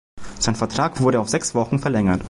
Sein Vertrag wurde auf sechs Wochen verlängert.